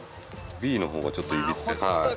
Ｂの方がちょっといびつです。